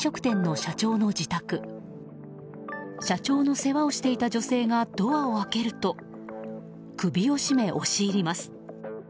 社長の世話をしていた女性がドアを開けると首を絞め、押し入ります。